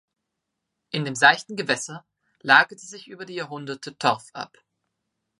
In dem seichten Gewässer lagerte sich über die Jahrhunderte Torf ab.